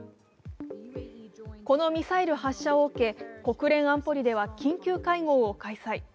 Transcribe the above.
このミサイル発射を受け国連安保理では緊急会合を開催。